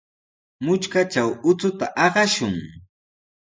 Mutrkatraw uchuta aqashun.